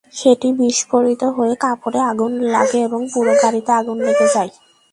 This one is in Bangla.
সেটি বিস্ফোরিত হয়ে কাপড়ে আগুন লাগে এবং পুরো গাড়িতে আগুন লেগে যায়।